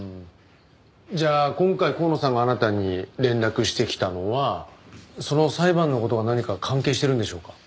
じゃあ今回香野さんがあなたに連絡してきたのはその裁判の事が何か関係してるんでしょうか？